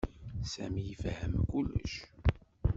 Sami ifehhem kullec.